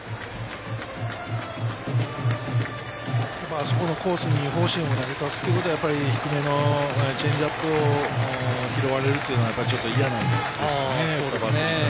あそこのコースにフォーシームを投げさすっていうことは、低めのチェンジアップを拾われるというのがちょっと嫌なんですかね。